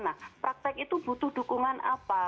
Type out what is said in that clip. nah praktek itu butuh dukungan apa